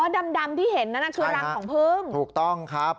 อ๋อดำที่เห็นนะคือรังของพึ่งใช่นะถูกต้องครับ